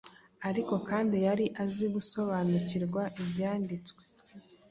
ariko kandi yari azi gusobanukirwa ibyanditswe